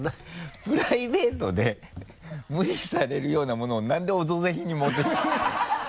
プライベートで無視されるようなものをなんで「オドぜひ」に持ってきた？